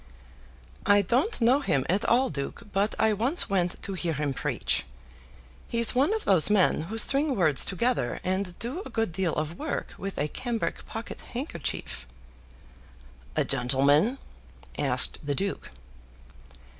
"I don't know him at all, duke, but I once went to hear him preach. He's one of those men who string words together, and do a good deal of work with a cambric pocket handkerchief." "A gentleman?" asked the duke.